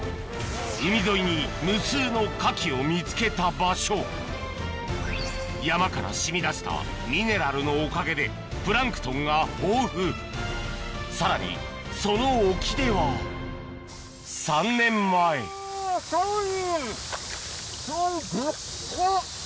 海沿いに無数のカキを見つけた場所山から染み出したミネラルのおかげでプランクトンが豊富さらにその沖では３年前デッカ！